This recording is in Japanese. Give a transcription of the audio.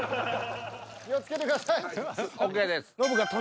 気を付けてください。ＯＫです。